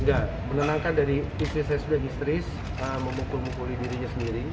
enggak menenangkan dari istri saya sudah histeris memukul mukuli dirinya sendiri